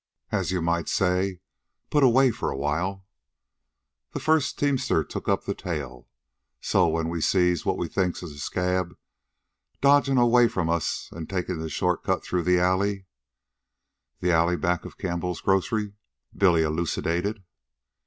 "As you might say, put away for a while," the first teamster took up the tale. "So, when we sees what we thinks is a scab dodgin' away from us an' takin' the shortcut through the alley " "The alley back of Campbell's grocery," Billy elucidated.